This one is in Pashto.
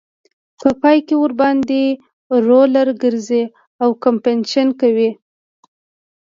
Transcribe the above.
په پای کې ورباندې رولر ګرځي او کمپکشن کوي